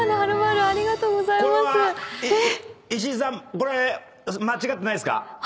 これ間違ってないですか？